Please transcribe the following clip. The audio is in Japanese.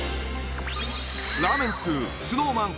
ラーメン通ＳｎｏｗＭａｎ